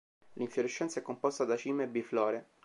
L'infiorescenza è composta da cime bi-flore.